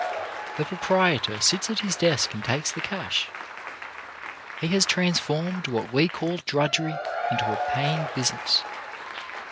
The pro prietor sits at his desk and takes the cash. He has transformed what we call drudgery into a paying business.